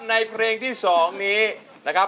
ในเพลงที่๒นี้นะครับ